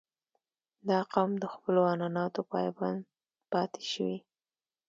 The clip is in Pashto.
• دا قوم د خپلو عنعناتو پابند پاتې شوی.